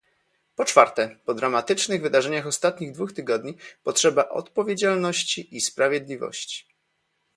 Po czwarte, po dramatycznych wydarzeniach ostatnich dwóch tygodni potrzeba odpowiedzialności i sprawiedliwości